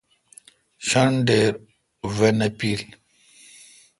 ݭن ڈیر وائ نہ پیل۔